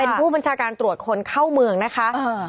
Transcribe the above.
เป็นผู้บัญชาการตรวจคนเข้าเมืองนะคะ